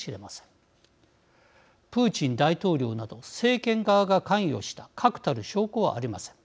プーチン大統領など政権側が関与した確たる証拠はありません。